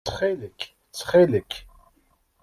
Ttxil-k! Ttxil-k!